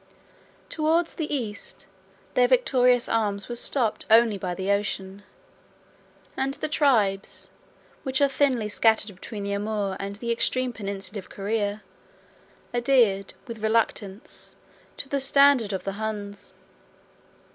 Towards the East, their victorious arms were stopped only by the ocean; and the tribes, which are thinly scattered between the Amoor and the extreme peninsula of Corea, adhered, with reluctance, to the standard of the Huns.